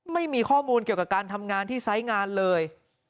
ไม่มีข้อมูลเกี่ยวกับการทำงานที่ไซส์งานเลย